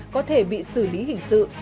có thể bị xử lý hình sự